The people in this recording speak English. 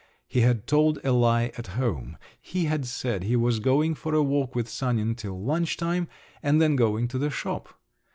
He had told a lie at home; he had said he was going for a walk with Sanin till lunch time, and then going to the shop.